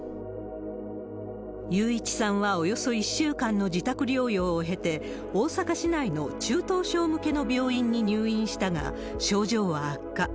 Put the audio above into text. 勇一さんはおよそ１週間の自宅療養を経て、大阪市内の中等症向けの病院に入院したが、症状は悪化。